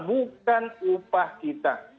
bukan upah kita